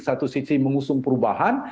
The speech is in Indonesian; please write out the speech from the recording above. satu sisi mengusung perubahan